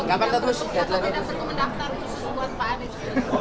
atau kita tetap mendaftar untuk semua pak anies